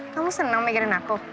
kamu senang mikirin aku